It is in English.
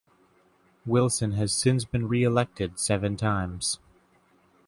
Wilson has since been reelected seven times.